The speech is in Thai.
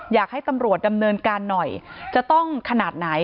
อยากให้ตำรวจดำเนินการหน่อยจะต้องขนาดไหน